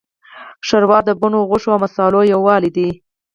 ښوروا د بڼو، غوښو، او مصالحو یووالی دی.